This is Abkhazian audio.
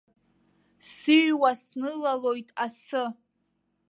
Сыҩуа снылалоит асы.